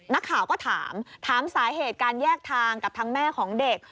นักข่าวก็ถามถามสาเหตุการแยกทางกับทางแม่ของเด็ก